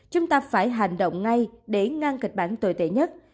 chúng ta phải hành động ngay để ngăn kịch bản tồi tệ nhất